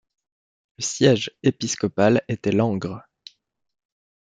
Le siège épiscopal était Langres.